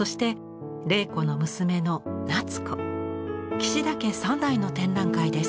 岸田家３代の展覧会です。